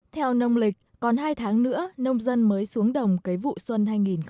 theo nông lịch còn hai tháng nữa nông dân mới xuống đồng cái vụ xuân hai nghìn một mươi bảy